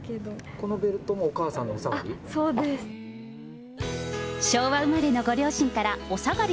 このベルトもお母さんのおさがり？